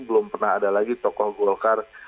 belum pernah ada lagi tokoh golkar